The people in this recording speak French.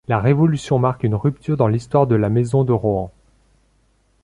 La Révolution marque une rupture dans l'histoire de la Maison de Rohan.